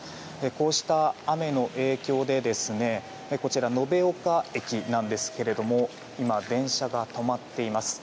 こうした雨の影響でこちら、延岡駅なんですが今、電車が止まっています。